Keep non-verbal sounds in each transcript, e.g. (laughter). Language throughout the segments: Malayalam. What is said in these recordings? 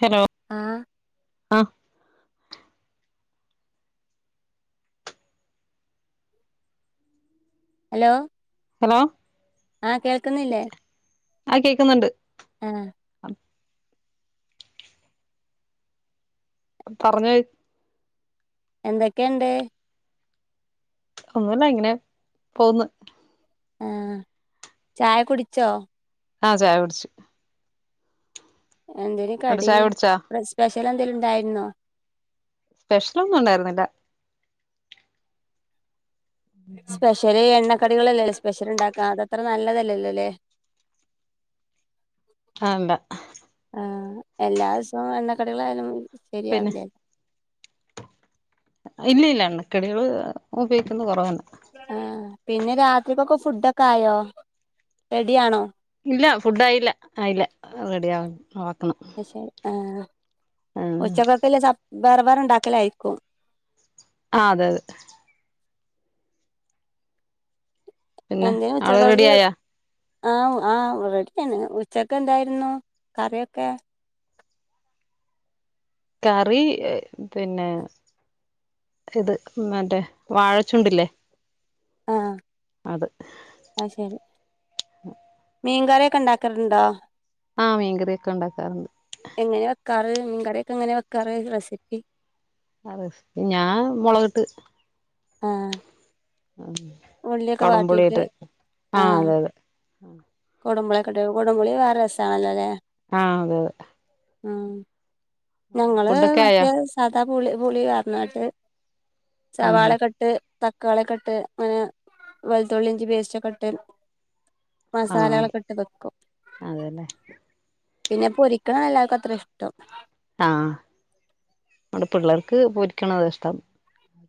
ഹലോ ആഹ് ആഹ് ഹലോ ഹലോ ആഹ് കേൾക്ക്ന്നില്ലേ? ആഹ് കേക്ക്ന്ന്ണ്ട്. ആഹ് പർഞ്ഞേ എന്തെക്കെണ്ട്? ഒന്നുല്ല ഇങ്ങനെ പോവ്ന്ന്. ആഹ് ചായ കുടിച്ചോ? ആഹ് ചായുടിച്ച്. എന്തേനി അവിടെ കടി ചായ കുടിച്ചാ റെസ്പെഷ്യലെന്തേലുണ്ടായിര്ന്നോ? സ്പെഷ്യലൊന്നുണ്ടായിരുന്നില്ല. സ്പെഷ്യല് എണ്ണക്കടികളല്ലല്ലേ സ്പെഷ്യല്ണ്ടാക്കാ അതത്ര നല്ലതല്ലല്ലല്ലേ ആഹ് ണ്ടാ ആഹ് എല്ലാ ദിവസോം എണ്ണക്കടികളായാലും പിന്നെ ശരിയാവില്ല ഇല്ല്യല്ല എണ്ണക്കടികള് ഉപയോഗിക്കുന്ന കൊറവാണ്. ആഹ് പിന്നെ രാത്രിക്കൊക്കെ ഫുഡൊക്കായോ റെഡ്യാണോ? ഇല്ല ഫുഡായില്ല ആയില്ല റെഡ്യാവ ആക്കണം അയ് ശെരി ആഹ് ആഹ് ഉച്ചക്കക്ക്ള്ളെ സെപ് വേറെ വേറെ ണ്ടാക്കലായിരിക്കും. ആഹ് അതെ യതെ പിന്നെ അവിടെ റെഡി (unintelligible) ആയാ ആഹ് ആഹ് (unintelligible) ഉച്ചക്ക്‌ എന്തായിരുന്നു കറിയൊക്കെ കറി പിന്നെ ഇത് മറ്റേ വാഴച്ചുണ്ടില്ലേ അത് അഹ് ശരി മീൻകറിയൊക്കെ ഇണ്ടാക്കലുണ്ടോ ആഹ് മീൻക്കറിയൊക്കെ ഉണ്ടാക്കാറുണ്ട് എങ്ങനെ വെക്കാറ് മീൻക്കറിയൊക്കെ എങ്ങനെ വെക്കാറ് റെസിപ്പി ആ റെസിപ്പി ഞാൻ മുളകിട്ട് ആഹ് ഉള്ളിയൊക്കെ വാട്ടിയിട്ട് കൊടംപുളിയിട്ട് ആഹ് അതെ അതെ കൊടംപുളി ഒക്കെ ഇട്ട് കൊടംപുളി വേറെരു രസാണല്ലോ ല്ലേ ആഹ് അതെ ആഹ് ഞങ്ങള് ഫുഡൊക്കെ ആയോ മറ്റേ സാധാ പുളി പുളി പാർന്നിട്ട് ആഹ് സവാളക്കെട്ട് തക്കാളി ഒക്കെ ഇട്ട് ഏഹ് വെളുത്തുള്ളി, ഇഞ്ചി പേസ്റ്റ് ഒക്കെട്ട് മസാലകളൊക്കെ ഇട്ട് വെക്കും. അതേല്ലേ പിന്നെ പൊരിക്ക്ണ എല്ലാർക്കും അത്ര ഇഷ്ടം. ആഹ് വടെ പിള്ളേർക്ക് പൊരിക്ക്ണതാ ഇഷ്ടം.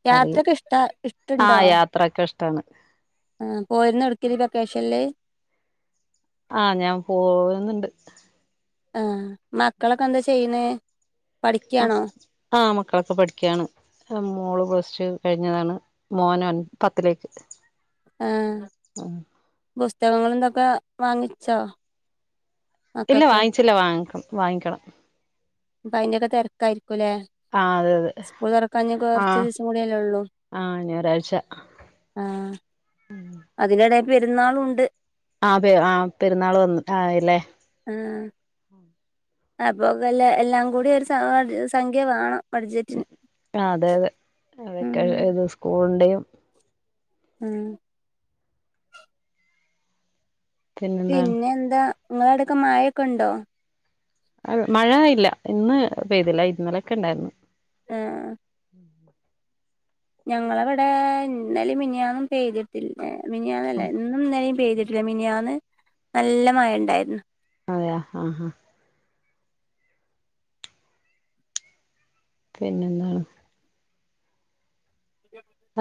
കറി യാത്രയൊക്കെ ഇഷ്ട ഇഷ്ടുണ്ടോ ആഹ് യാത്രൊക്കെ ഇഷ്ടാണ്. ആഹ് പോയിരുന്നോ എവ്ട്ക്കേലും ഈ വെക്കേഷൻല് ആഹ് ഞാൻ പോവുന്നുണ്ട് ആഹ് മക്കളൊക്കെ എന്താ ചെയ്യ്ണത് മക്ക് ആഹ് മക്കളൊക്കെ പഠിക്കയാണ്. ആഹ് മോള് പ്ലസ് റ്റു കഴിഞ്ഞതാണ് മോന് ഒൻ പത്തിലേക്ക്. ആഹ് പുസ്തകങ്ങളും ഇതൊക്കെ വാങ്ങിച്ചോ? ഇല്ല മക്കൾക്ക് വാങ്ങിച്ചില്ല വാങ്ങിക്കും വാങ്ങിക്കണം ഇപ്പ അയ്ൻ്റൊക്കെ തെരക്കായിരിക്കുംല്ലേ. ആഹ് അതെ അതെ സ്കൂൾ തുറക്കാ ഇഞ്ഞി കൊറച്ച് ആഹ് ദിവസം കൂടി അല്ലേ ഉള്ളു. ആഹ് ഇനി ഒരാഴ്ച ആഹ് അതിന്റെടെ പെരുന്നാളുണ്ട്. അതെ ആ പെരുന്നാൾ വന്ന് ആയല്ലേ ആഹ് അപ്പൊക്കല്ലേ എല്ലാം കൂടി ഒരു സ സംഖ്യ വേണം. ഉം ബഡ്ജറ്റിന് ആഹ് അതെ അതെ ഉം അതൊക്കെ ഏത് സ്കൂളിന്റെയും ഉം പിന്നെന്താണ് പിന്നെ എന്താ? ങ്ങളെ അടക്കെ മഴെക്കെ ഉണ്ടോ? മഴ ഇല്ല ഇന്ന് പെയ്തില്ല ഇന്നലൊക്കെ ഉണ്ടായിരുന്നു. ആഹ് ഞങ്ങളവിടെ ഇന്നലിം മിനിയാന്നും പെയ്തിട്ടില്ല മിനിയാന്നല്ല ഇന്നും ഇന്നലിം പെയ്തി ട്ടില്ല മിനിയാന്ന് നല്ല മഴ ഉണ്ടായിരുന്നു. അതെയോ ആഹ് ആഹ് പിന്നെന്താ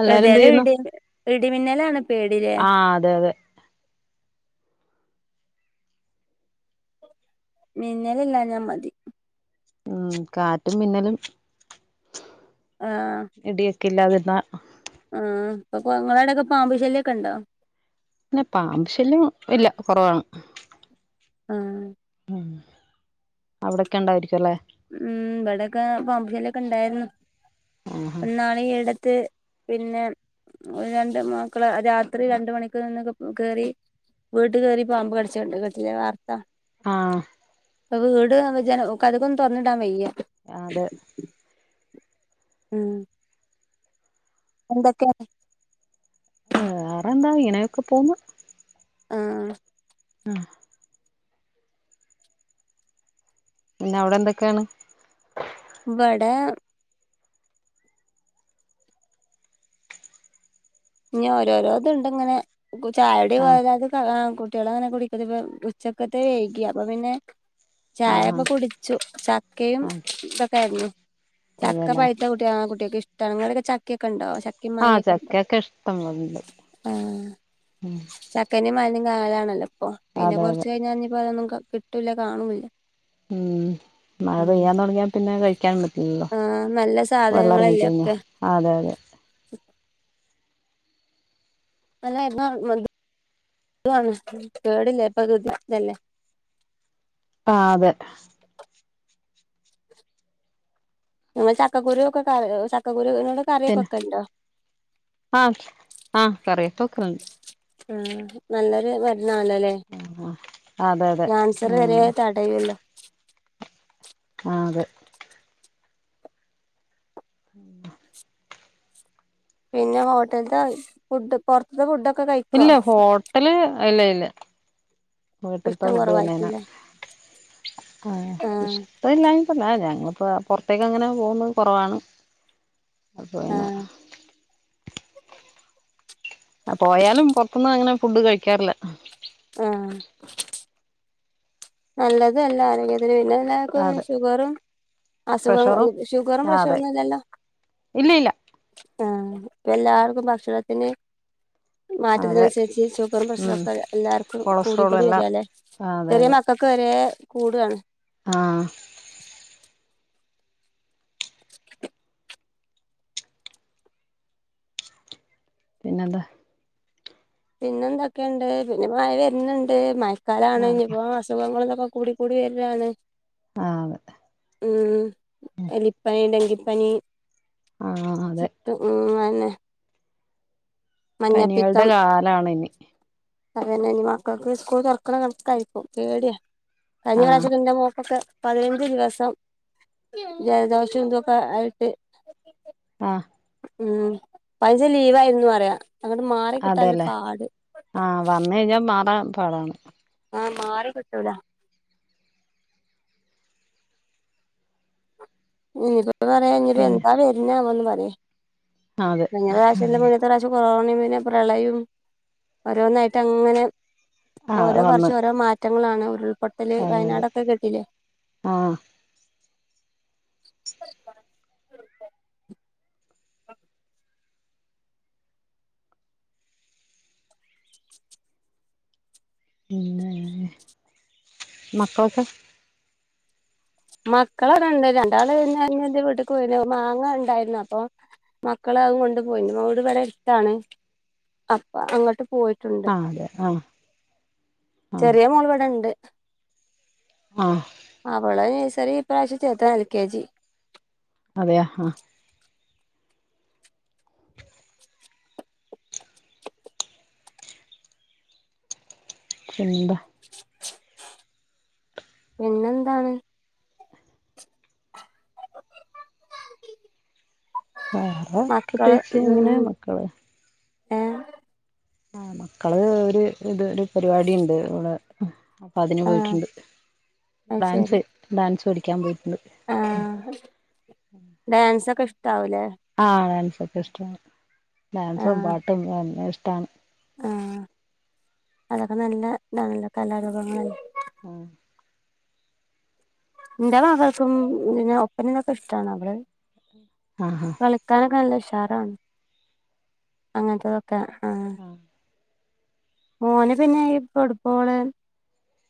എല്ലാരും എന്ത് ഏതായാലും ചെയ്യുന്നു ഇടി ഇടിമിന്നലാണ്. പേടില്ലേ ആഹ് അതെ അതെ മിന്നലില്ലാ ഞാ മതി. ഉം.. കാറ്റും മിന്നലും. ആഹ്.. ഇടിയൊക്കെ ഇല്ലാതിരുന്ന ആഹ്.. ഇപ്പൊക്കോ ങ്ങളാടെക്കെ പാമ്പു ശല്ല്യക്കെ ണ്ടോ? പിന്നെ പാമ്പ് ശല്യം ഇല്ല. കൊറവാണ്. ആഹ് അവിടൊക്കെ ഇണ്ടായിരിക്കും ല്ലേ? ഉം.. ബടൊക്കെ പാമ്പുശല്ല്യക്കെ ഇണ്ടായിരുന്നു. ആഹ് ന്നാൾ ഈ യെടത്ത് പിന്നെ.. രണ്ട് മക്കളെ, രാത്രി രണ്ട് മണിക്ക് ന്നൊക്കെ കേറി. വീട്ട് കേറി പാമ്പ് കടിച്ചണ്ട്. കേട്ട് ല്ലെയ്നി വാർത്ത. ആഹ്.. അപ്പൊ വീട് ജന കതക്കൊന്ന് തൊറന്നിടാൻ വയ്യ ആ അതെ ഉം എന്തൊക്കെണ് വേറെന്താ ഇങ്ങനെയൊക്കെ പോന്നു ആഹ് ആഹ് പിന്നെ അവിടെ എന്തൊക്കെണ് ഇവടെ ഇനി ഓരോരോ ഇത്ണ്ട് ഇങ്ങനെ ചായുടി ആഹ് ഓരോരത് കുട്ടിയളങ്ങനെ കുടിക്ക്ണ് ഉച്ചക്കത്തെ വെയ്കി അപ്പൊ പിന്നെ ആഹ് ചായപ്പൊ കുടിച്ചു ചക്കയും ആഹ് ഇതൊക്കെ ആയിരുന്നു ചക്ക അതെല്ലേ പഴുത്തത് കുട്ടിയാക്ക് ആഹ് കുട്ടിയൊക്ക് ഇഷ്ട്ടാണ് ഇങ്ങളാടൊക്കെ ചക്കൊക്കെ ഇണ്ടോ ആഹ് ചക്കക്കെഷ്ടംപോലെണ്ട് ആഹ് ചക്കന്റെ മാങ്ങന്റേം കാലാണല്ലോ ഇപ്പൊ പിന്നെ അതെ അതെ കൊറച്ച് കഴിഞ്ഞാ ഇഞ്ഞിപ്പോ അയിനൊന്നും കിട്ടൂല കാണൂല്ല. ഉം മഴ ഉം പെയ്യാൻ തൊടങ്ങിയ പിന്നെ കഴിക്കാനുംപറ്റില്ലല്ലോ ആഹ് നല്ല വെള്ള സാധനങ്ങളല്ലേ എറങ്ങിക്കഴിഞ്ഞ ഒക്കെ അതെ അതെ അല്ല ഇപ്പ ഇഷ്ടം കേടില്ലേ ഇപ്പല്ലേ (unintelligible) ആഹ് അതെ ഇങ്ങ ചക്കക്കുരു ഒക്കെ കറി ചക്കക്കുരുനോടൊ പിന്നെ ആഹ് ആഹ് കറിയൊക്കെ വെക്ക്ണണ്ട് ആഹ് നല്ലൊരു മരുന്ന് ആണല്ലോ ല്ലെ ആഹ് അതെ അതെ ഉം (unintelligible) ആഹ് അതെ ഉം പിന്നെ ഹോട്ടൽത്താ ഫുഡ്ഡ് പൊർത്ത്ത്തെ ഫുഡ്ഡ്ഒക്കെ കഴി ഇല്ല ഹോട്ടല് ഇല്ല ഇല്ല വീട്ടിൽത്തെ ഇഷ്ടം ഫുഡ് തന്നെണ് കുറവായിരിക്കൂല്ലേ ആഹ് ഇഷ് ഇഷ്ട്ട ഇല്ലാഞ്ഞിട്ടല്ല ഞങ്ങളിപ്പോ പൊറത്തേക്ക് അങ്ങനെ പോകുന്നത് കൊറവാണ് അപ്പോ പിന്നെ (inaudible) പോയാലും പൊർത്തുന്നങ്ങനെ ഫുഡ് കഴിക്കാറില്ല ആഹ് നല്ലതും അല്ല ആരോഗ്യത്തിന് പിന്നെല്ല ഇക്ക് (unintelligible) അതെ ഷുഗറും അസുഖം പ്രഷറും ഷുഗറും ആ അതെ പ്രഷറൊന്നും ഇല്ലല്ലോ ഇല്ല ഇല്ല ആഹ് ഇപ്പ എല്ലാർക്കും ഭക്ഷണത്തിന് അതെ മാറ്റത്തിനുസരിച്ച് ഷുഗറും ഉം പ്രഷറൊക്കെ എല്ലാർക്കും കൂടി കൂടി വരാല്ലേ ആഹ് അതെ ചെറിയ മക്കക്ക് വരെ കൂടാണ് ആഹ് പിന്നെന്താ പിന്നെ എന്തൊക്കെയുണ്ട് പിന്നെ മഴ വര്ന്ണ്ട് മഴക്കാലാണ് ഇഞ്ഞ്പ്പോ ആ അസ് സുഖങ്ങളും ഇതൊക്കെ കൂടി കൂടി വരലാണ് അതെ ഉം എലിപ്പനി ഡങ്കിപ്പനി ആഹ് അതെ ഉം അയന്നെ പനികളുടെ മഞ്ഞപ്പിത്തം കാലാണ് ഇനി അതന്നെ ഇഞ്ഞി മക്കക്ക് സ്കൂൾ തൊറക്കണത് കണക്കായിരിക്കും പേടിയാ കഴിഞ്ഞ ആഹ് പ്രാവശ്യക്കെ ഇന്റെ മോൾക്കൊക്കെ പതിനഞ്ച് ദിവസം ജലദോഷം ഇതൊക്കെ ആയിട്ട് ആഹ് ഉം പതിൻചു ലീവായിരുന്നു പറയാ അങ്ങട്ട് മാറി കിട്ടാല്ല അതെല്ലേ പാട് ആഹ് വന്ന കഴിഞ്ഞാ മാറാൻ പാടാണ് ആഹ് മാറിക്കിട്ടൂലാ ഇനിയിപ്പോ പറയാ ഇനിയിപ്പോ പിന്നെ എന്താ വര്ന്നാവോന്ന് പറയേ അതെ കഴിഞ്ഞ പ്രാവശ്യൻ്റെ മുന്ന ത്തെ പ്രാവശ്യം കൊറോണയും പിന്നെ പ്രളയം ഓരോന്നായിട്ട് അങ്ങനെ ആഹ് ഓരോ വന്ന് വർഷം ഓരോ മാറ്റങ്ങളാണ് ഉരുൾപൊട്ടല് അതെ അതെ വയനാടൊക്കെ കേട്ടിലേ ആഹ് (inaudible) പിന്നെ മക്കളൊക്കെ മക്കളൊക്കെണ്ട് രണ്ടാള് പിന്നെ ഇന്ന് ഇന്റെ വീട്ട്ക്ക് പോയിന്നു മാങ്ങ ഉണ്ടായിന്നു അപ്പൊ മക്കള് അതും കൊണ്ട് പോയി ഇൻ്റെ വീട് ഇവടെ അട്ത്താണ് അപ്പൊ അങ്ങട്ട് പോയി ട്ടുണ്ട് ആഹ് അതെ ആഹ് ആഹ് ചെറിയ മോൾ ഇവടെ ഇണ്ട് ആഹ് അവളെ നഴ്സറി ഈ പ്രവശ്യം ചേർത്ത്ണ് എൽ കെ ജി അതെയാ ആഹ് (inaudible) പിന്നെന്താ പിന്നെന്താണ് വേറെ മക്കള് പ്രത്യേകിച്ച് ഇങ്ങനെ മക്കള് ഏഹ് ആഹ് മക്കള് ഒരു ഇത് ഒരു പരിവാടി ഉണ്ട് ഇവടെ അപ്പ അതിന് ആഹ് പോയിട്ടുണ്ട് അത് ശരി ഡാൻസ് ഡാൻസ് പഠിക്കാൻ പോയിട്ട്ണ്ട് ആഹ് ഡാൻസൊക്കെ ഇഷ്ടാവുലേ ആഹ് ഡാൻസൊക്കെ ഇഷ്ടാണ് ഡാൻസും ആഹ് പാട്ടും എന്നെ ഇഷ്ടാണ് ആഹ് അതൊക്കെ നല്ല ഇതാണല്ലോ കലാരൂപങ്ങളല്ലേ ആഹ് ഇന്റെ മാപ്പൾക്കും ഒപ്പനനിത--ക്കെ ഇഷ്ടമാണ് അവള് ആ ഹാ കളിക്കാനൊക്കെ നല്ല ഉഷാറാണ് അങ്ങനത്തതൊക്കെ ആഹ് മോന് പിന്നെ ഈ ഫുട്ബോള്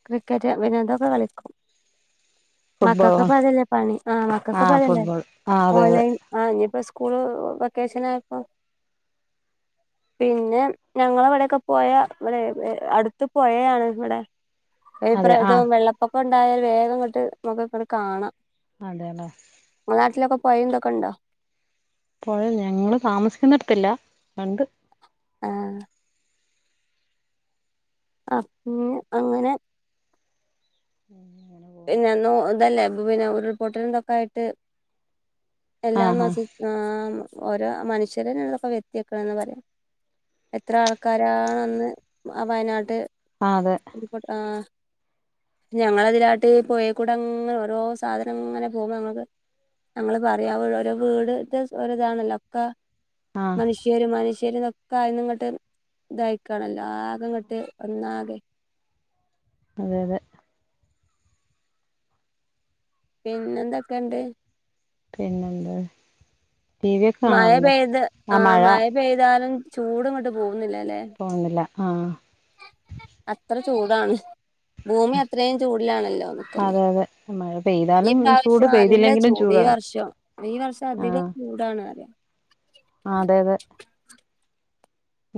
ക്രിക്കറ്റ് വിനോദൊക്കെ കളിക്കും മക്കൾക്ക് ഫുട്ബോളോ പലല്ലേ പണി ആഹ മക്കൾക്ക് ആഹ് പലല്ലേ ഫുട്ബോൾ ആഹ് അതെ അതെ ഓൺലൈൻ ആഹ് ഇനിയിപ്പോ സ്കൂള് വെക്കേഷൻ ആയപ്പോ പിന്നെ ഞങ്ങള ഇവിടെൊക്കെ പോയ ഇവിടെ അടുത്ത് പോയയാണ് ഇവിടെ അതെ ആഹ് പ്രായതവു വെള്ള ഒക്കെ ഉണ്ടായാൽ വേഗം കട്ട് നമുക്കക്കടെ കാണാം അതെയല്ലേ ഇങ്ങളെ നാട്ടിലൊക്കെ പോയന്തൊക്കെണ്ടോ പുഴ ഞങ്ങൾ താമസിക്കുന്നിടത്തില്ല ഉണ്ട് ആഹ് അഹ് പിെ അങ്ങനെ അങ്ങനെ പോകുന്നു പിന്നെന്നു ഇതല്ലേ പിന്നെ ഒരു റിപ്പോർട്ടറിന്തൊക്കെ ആയിട്ട് എല്ലാം ആഹ് ആഹ് മാസം ആഹ് ഓരോ മനുഷ്യരനല്ലോ വ്യത്തിയാക്കണന്ന് പറയാം എത്ര ആൾക്കാരണ അന്ന് ആഹ് വയനാട്ട് ആഹ് അതെ അയ്ക്കേട്ടെ ആഹ് ഞങ്ങളതിലാട്ട് പോയിൽക്കൂടെ അങ്ങനെ ഓരോ സാധനം ഇങ്ങനെ പോകുമ്പോ ഞൾക്ക് ഞങ്ങള്ൾ പറയാ ഓരോ വീട് ഒ ഇതാണല്ലോ ഒക്കെ ആഹ് മനുഷ്യ ഈയര് മനുഷ്യരന്നൊക്കെ ആയിന്ന ഇങ്ങോട്ട് ഇതായിക്കാണല്ലോ ആകെ ഇങ്ങോട്ട് ഒന്നാകെ അതെ അതെ. പിന്നെ എന്തൊക്കെയണ്ട്. പിന്നെന്ത് ടി വി ഒക്കെ മഴ കാണാറുണ്ടോ പെയ്ത് ആഹ് മഴ പെയ്താലും ചൂട് ഇങ്ങോട്ട് പോകുന്നില്ലല്ലേ. പോകുന്നില്ല ആഹ്. അത്ര ചൂടാണ് ഭൂമി അത്രയും ചൂടിലാണല്ലോ നിക്കുന്നത് അതെ അതെ മഴ ഈ പെയ്താലും ചൂട് പ്രാവശ്യം നല്ല പെയ്തില്ലെങ്കിലും ചൂട് ഈ ചൂടാണ് വർഷം ഈ വർഷം അധികം ചൂടാണ്റിയ. ആഹ് അതെ അതെ.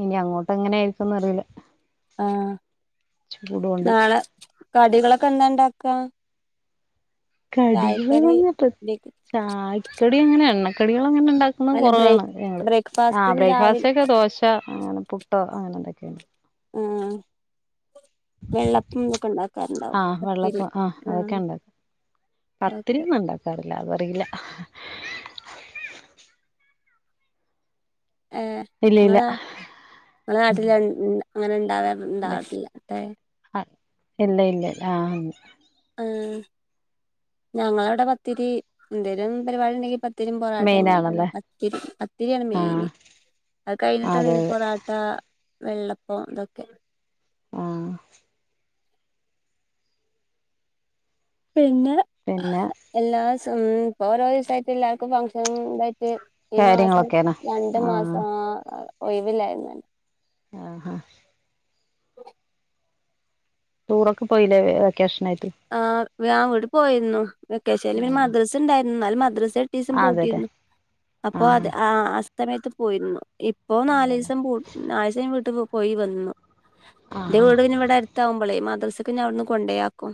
ഇനി അങ്ങോട്ട് എങ്ങനെ ആയിരിക്കുംന്ന് അറിയില്ല. ആഹ് ചൂട് കൊണ്ട് നാളെ കടികളൊക്കെ എന്താണ്ടാക്കാ. കടികൾ പറഞ്ഞിട്ട ബേക്ക് ചായക്കടി അങ്ങനെ എണ്ണക്കടികൾ അങ്ങനെണ്ടാക്ക. എന്നും അല്ല കുറവാണ് ബ്രേക്ക് ഞങ്ങള് ആഹ് ബ്രേക്ക്ഫാസ്റ്റിന് രാവിലെ ബ്രേക്ക്ഫാസ്റ്റ് ഒക്കെ ദോശ അങ്ങനെ പുട്ട് അങ്ങനെ ണ്ടാക്കും എന്തൊക്കെയണ്ട്. ആഹ്. വെള്ളപ്പംക്കെ ഉണ്ടാക്കാറുണ്ടാവും ആഹ് പത്തിരി വെള്ളപ്പം അതൊക്കെ ആഹ്. ഉണ്ടാക്കും പത്തിരി ഓക്കെ ഒന്നും ഉണ്ടാക്കാറില്ല അതറിയില്ല. ഏഹ് ഇല്ല ഇല്ല നിങ്ങളെ നിങ്ങളെ നാട്ടി അങ്ങനെണ്ടാവാ ഉണ്ടാവട്ടില്ല അട്ടേ. ആഹ് ഇല്ല ഇല്ല ആഹ്. ആഹ് ഞങ്ങളവിടെ പത്തിരി എന്തേലും പരിപാടി ഉണ്ടെങ്കിൽ പത്തിരി പത്തിരിയും പൊറാട്ട മെയിൻ എങ്ങനെയൊക്കെയാണ് ആണല്ലേ പത്തിരി പത്തിരിയാണ് ആഹ് മെയിന് അത് അതെ കഴിഞ്ഞിട്ടാണ് അതെ പൊറട്ട ആഹ് വെള്ളപ്പം ഇതൊക്കെ. ആഹ് പിന്നെ പ പിന്നെ. എല്ലാസം ഓരോ ദിവസാ ആയിട്ട് എല്ലാർക്കും ഫങ്ങ്ഷനും ഇതായിട്ട്. ഈ മാസം കാര്യങ്ങളൊക്കെയാണ് രണ്ടു ആഹ് മാസം ആ ഒഴിവില്ലായിരുന്നു. ആഹാ. ടൂറൊക്കെ പോയില്ലേ വെക്കേഷനായിട്ട്? ആഹ് വിട്ട്ക്ക് പോയിരുന്നു വെക്കേശനിൽ പിന്നെ ആഹ് മദ്രസ ഉണ്ടായിരുന്നു എന്നാലും മദ്രസ ഏട്ടീസം അതെല്ലേ പൂട്ടിയിരുന്നു അപ്പോ അത് ആഹ് ആ അസ്തമയത്ത് പോയിരുന്നു. ഇപ്പോ അതെല്ലേ നാലീസം പൂട് നാലീസംവീട്ക്ക് പോയി വന്നു എന്റെ ആഹ് വീട് പിന്നെ ഇവിടെ അ ട്ടാകുമ്പളേ മാദ്രസക്ക് ഞാനവിടുന്ന് കൊണ്ടേയാക്കും.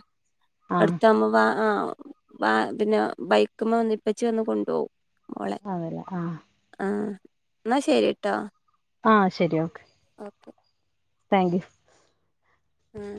ആഹ് ആഹ് അടുത്താകുമ്പോ വ ആ പിന്നെ ബൈക്ക്മേ വന്ന് ഇപ്പച്ചി വന്ന് കൊണ്ടു പോകും. അതല്ല ആഹ്. ആഹ് എന്നാ ശരിട്ടോ. ആഹ് ശരി ഓക്കെ. ഓക്കെ. താങ്ക്യു. ഉം.